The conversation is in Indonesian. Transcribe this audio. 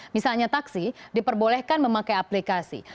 misalnya taksi diperbolehkan memakai aplikasi